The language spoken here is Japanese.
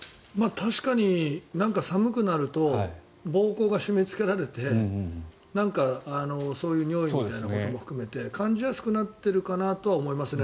確かに寒くなると膀胱が締めつけられてそういう尿意みたいなことも含めて感じやすくなっているかなとは思いますね。